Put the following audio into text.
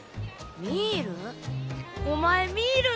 ミール！